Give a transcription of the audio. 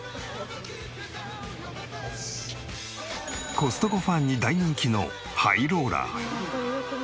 コストコファンに大人気のハイローラー。